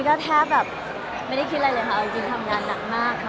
เอ้ยตอนนี้ก็แทบแบบไม่ได้คิดอะไรเลยค่ะจริงทำงานหนักมาก